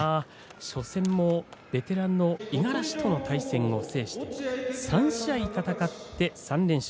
初戦もベテランの五十嵐との対戦を制して３試合戦って３連勝。